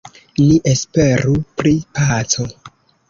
Ni esperu pri paco.